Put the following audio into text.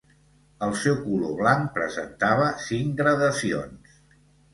El seu color blanc presentava cinc gradacions.